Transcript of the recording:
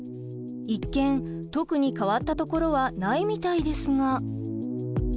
一見特に変わったところはないみたいですが。